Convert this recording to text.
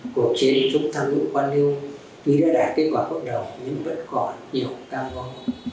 cuộc chiến chúng ta cũng quan hư vì đã đạt kết quả có đầu nhưng vẫn còn nhiều cao vong